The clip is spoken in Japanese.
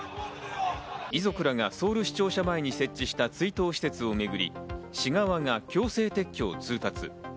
遺族らがソウル市庁舎前に設置した追悼施設をめぐり、市側が強制撤去を通達。